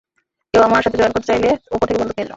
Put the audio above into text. কেউ আমার সাথে জয়েন করতে চাইলে, উপর থেকে বন্দুক নিয়ে নাও।